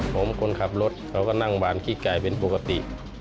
ผมคนขับรถเขาก็นั่งหวานขี้ไก่เป็นปกติ